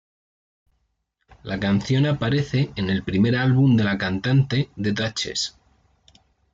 La canción aparece en el primer álbum de la cantante, The Dutchess.